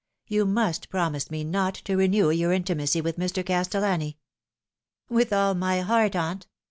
You must promise me not to renew your intimacy with Mr. Castellani." " With all my heart, aunt.